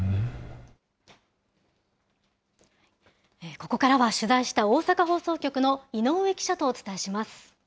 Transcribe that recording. ここからは取材した大阪放送局の井上記者とお伝えします。